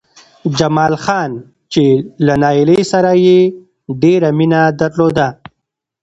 جمال خان چې له نايلې سره يې ډېره مينه درلوده